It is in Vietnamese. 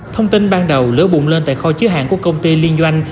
thông tin ban đầu lỡ bụng lên tại kho chứa hàng của công ty liên doanh